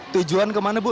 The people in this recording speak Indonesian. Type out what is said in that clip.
tujuan kemana bu